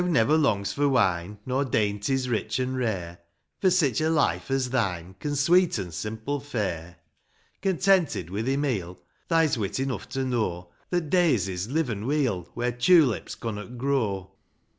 IIL Theaw never longs for wine, Nor dainties rich an' rare, For sich a life as thine Can sweeten simple fare ; Contented wi' thi meal, Thae's wit enough to know That daisies liven' weel Where tulips connot grow.